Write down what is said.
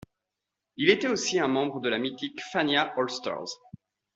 Il était aussi un membre de la mythique Fania All-Stars.